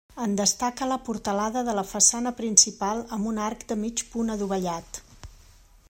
En destaca la portalada de la façana principal amb un arc de mig punt adovellat.